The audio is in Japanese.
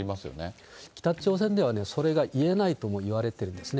北朝鮮では、それが言えないともいわれてるんですね。